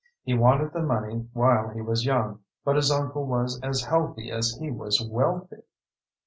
He wanted the money while he was young, but his uncle was as healthy as he was wealthy.